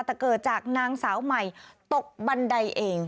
แต่เกิดจากนางสาวใหม่ตกบันไดเอง